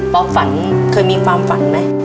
ฝันเคยมีความฝันไหม